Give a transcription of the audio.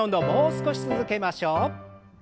もう少し続けましょう。